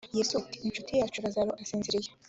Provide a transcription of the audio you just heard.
yesu ati “incuti yacu lazaro arasinziriye”